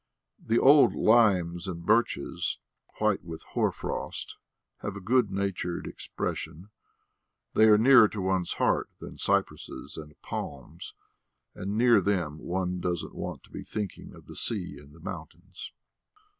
The old limes and birches, white with hoar frost, have a good natured expression; they are nearer to one's heart than cypresses and palms, and near them one doesn't want to be thinking of the sea and the mountains.